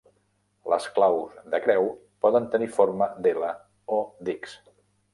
Les claus de creu poden tenir forma d'L o d'X.